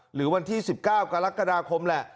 หรือวันที่๑๙กรกฎาคมแหละ